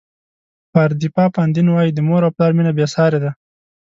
پاردیفا پاندین وایي د مور او پلار مینه بې سارې ده.